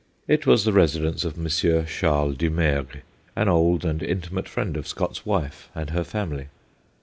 It was the residence of Monsieur Charles Dumergue, an old and intimate friend of Scott's wife and h< ler M. DUMERGUE 195 family.